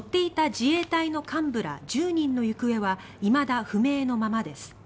自衛隊の幹部ら１０人の行方はいまだ不明のままです。